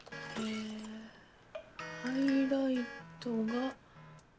ハイライトが。